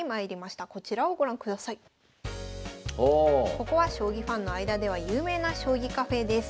ここは将棋ファンの間では有名な将棋カフェです。